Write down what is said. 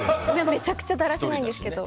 めちゃくちゃだらしないんですけど。